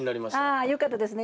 ああよかったですね。